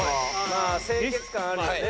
清潔感あるよね。